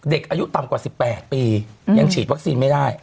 เด็กอายุต่ำกว่า๑๘ปียังฉีดวัคซีนไม่ได้